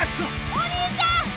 お兄ちゃん。